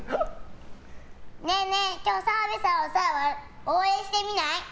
ねえねえ、今日、澤部さんを応援してみない？